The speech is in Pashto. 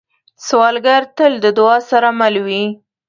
سوالګر تل د دعا سره مل وي